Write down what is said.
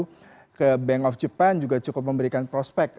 yang ke bank of japan juga cukup memberikan prospek